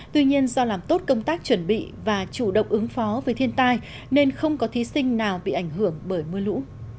tuy nhiên do làm tốt công tác chuẩn bị và chủ động ứng phó với thiên tai nên không có thí sinh nào bị ảnh hưởng bởi mưa lũ